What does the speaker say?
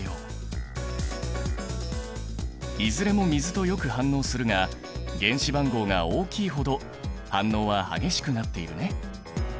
いずれも水とよく反応するが原子番号が大きいほど反応は激しくなっているね。